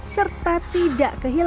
serta tidak keseluruhan